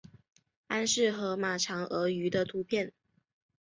安氏河马长颌鱼的图片